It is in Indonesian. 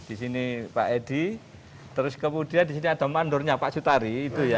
di sini pak edi terus kemudian di sini ada mandornya pak sutari